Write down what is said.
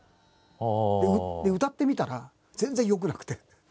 で歌ってみたら全然よくなくて。